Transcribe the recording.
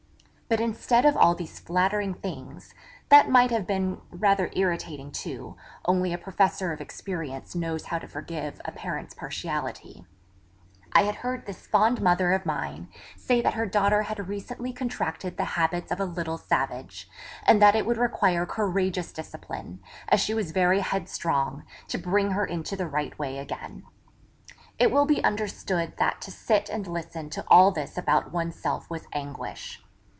But instead of all these flattering things (that might have been rather irritating too, only a Professor of experience knows how to forgive a parent's partiality), I had heard this fond mother of mine say that her daughter had recently contracted the habits of a little savage; and that it would require courageous discipline, as she was very headstrong, to bring her into the right way again. It will be understood that to sit and listen to all this about oneself was anguish.